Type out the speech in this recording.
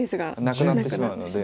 なくなってしまうので。